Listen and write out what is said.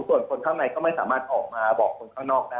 ส่วนคนข้างในก็ไม่สามารถออกมาบอกคนข้างนอกได้